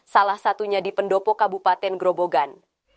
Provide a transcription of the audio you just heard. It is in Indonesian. salah satunya di pendopo kabupaten gerobogan